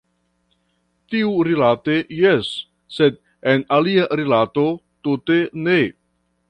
Tiurilate jes, sed en alia rilato tute ne.